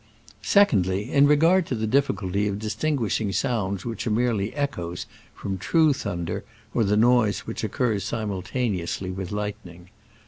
Secondly, in regard to the difficulty of distinguishing sounds which are merely echoes from true thunder or the noise which occurs simultaneously with lightning.